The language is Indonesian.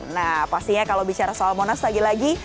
nah pastinya kalau bicara soal monas lagi lagi